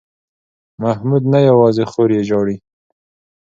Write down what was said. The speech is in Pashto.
محمود نه یوازې خور یې ژاړي.